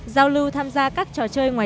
giao lưu tham gia các trò chơi ngoài